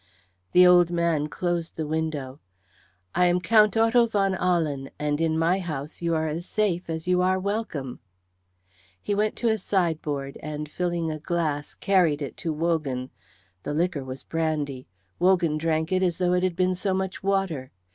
The old man closed the window. "I am Count Otto von Ahlen, and in my house you are safe as you are welcome." He went to a sideboard, and filling a glass carried it to Wogan. The liquor was brandy. Wogan drank it as though it had been so much water.